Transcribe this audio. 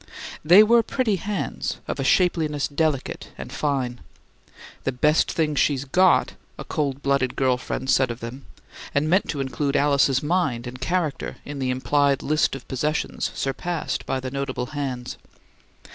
They were pretty hands, of a shapeliness delicate and fine. "The best things she's got!" a cold blooded girl friend said of them, and meant to include Alice's mind and character in the implied list of possessions surpassed by the notable hands.